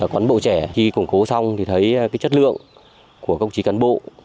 quán bộ trẻ khi củng cố xong thì thấy cái chất lượng của công chí cán bộ